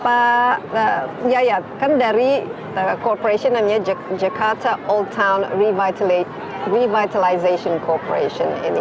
pastilah nah pak ya ya kan dari corporation namanya jakarta old town revitalization corporation ini